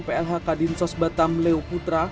plh kadinsos batam leo putra